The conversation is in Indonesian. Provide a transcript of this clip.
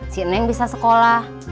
si neng bisa sekolah